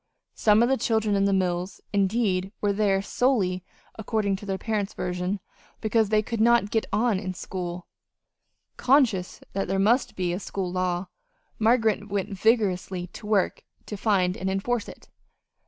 Some of the children in the mills, indeed, were there solely according to the parents' version because they could not "get on" in school. Conscious that there must be a school law, Margaret went vigorously to work to find and enforce it.